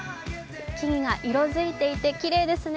木々が色づいていてきれいですね。